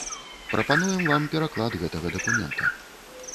Прапануем вам пераклад гэтага дакумента.